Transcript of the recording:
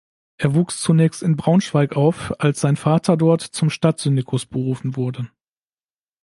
Er wuchs zunächst in Braunschweig auf, als sein Vater dort zum Stadtsyndikus berufen wurde.